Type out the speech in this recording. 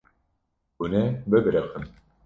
Hûn ê bibiriqin.